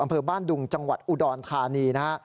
อำเภอบ้านดุงจังหวัดอุดรธานีนะฮะ